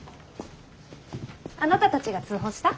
あなたたちが通報した？